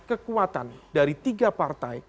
kekuatan dari tiga partai